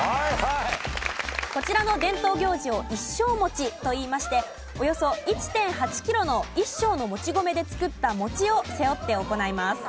こちらの伝統行事を一升餅といいましておよそ１．８キロの一升のもち米で作った餅を背負って行います。